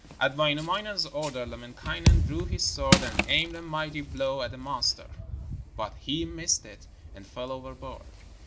At Wainamoinen's order, Lemminkainen drew his sword and aimed a mighty blow at the monster, but he missed it and fell overboard.